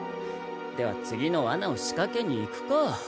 では次のワナをしかけに行くか。